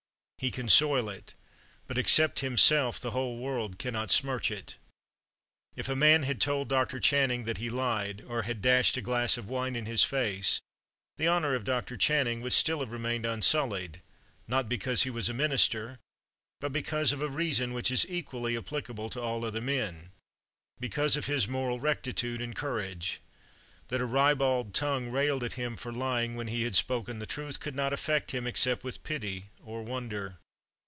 He can soil it, but except himself the whole world cannot smirch it. If a man had told Dr. Channing that he lied, or had dashed a glass of wine in his face, the honor of Dr. Channing would still have remained unsullied, not because he was a minister, but because of a reason which is equally applicable to all other men because of his moral rectitude and courage. That a ribald tongue railed at him for lying when he had spoken the truth could not affect him except with pity or wonder.